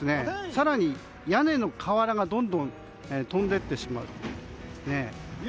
更に屋根の瓦がどんどん飛んでいってしまう。